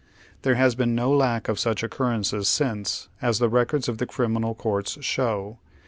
There has been no lack of such occurrences since, as the records of the criminal courts show.